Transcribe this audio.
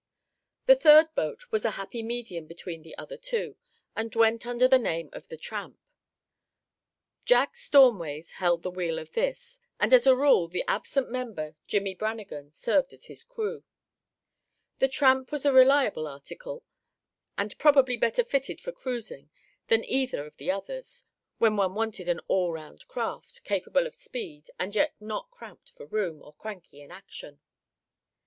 The third boat was a happy medium between the other two, and went under the name of the Tramp. Jack Stormways held the wheel of this, and as a rule the absent member, Jimmie Brannagan, served as the crew. The Tramp was a reliable article, and probably better fitted for cruising than either of the others, when one wanted an all round craft, capable of speed, and yet not cramped for room, or cranky in action.